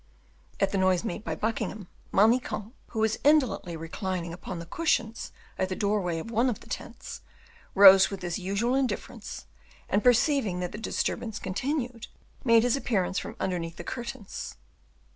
At the noise made by Buckingham, Manicamp, who was indolently reclining upon the cushions at the doorway of one of the tents, rose with his usual indifference, and, perceiving that the disturbance continued, made his appearance from underneath the curtains.